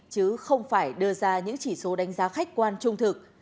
chứ không phải đưa ra những chỉ số đánh giá khách quan trung thực